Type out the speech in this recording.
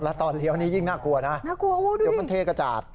แล้วตอนเลี้ยวนี้ยิ่งน่ากลัวนะน่ากลัวเดี๋ยวมันเทกระจาด